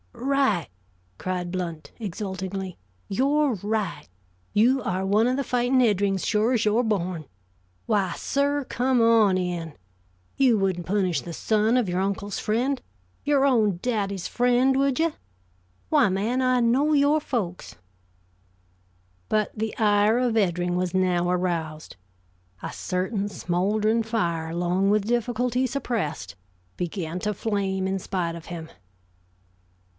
"Right!" cried Blount, exultingly. "You're right. You are one of the fighting Eddrings, sure as you're born. Why, sir, come on in. You wouldn't punish the son of your uncle's friend, your own daddy's friend, would you? Why, man, I know your folks " But the ire of Eddring was now aroused. A certain smoldering fire, long with difficulty suppressed, began to flame in spite of him.